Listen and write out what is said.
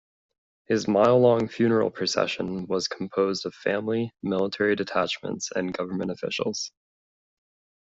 His mile-long funeral procession was composed of family, military detachments and government officials.